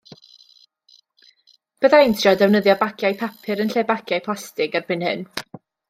Bydda i'n trio defnyddio bagiau papur yn lle bagiau plastig erbyn hyn.